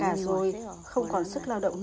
chúng tôi già cả rồi không còn sức lao động nữa